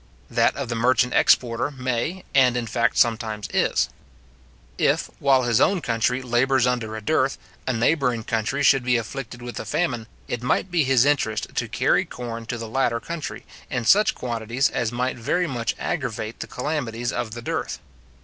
That of the merchant exporter may, and in fact sometimes is. If, while his own country labours under a dearth, a neighbouring country should be afflicted with a famine, it might be his interest to carry corn to the latter country, in such quantities as might very much aggravate the calamities of the dearth.